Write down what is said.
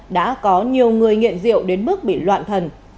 đã có nhiều người nghiện rượu đến mức bị loạn thần